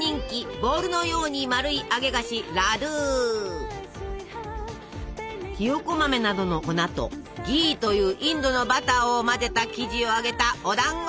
ボールのように丸い揚げ菓子ひよこ豆などの粉と「ギー」というインドのバターを混ぜた生地を揚げたお団子！